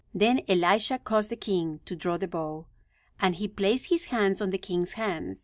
Then Elisha caused the king to draw the bow; and he placed his hands on the king's hands.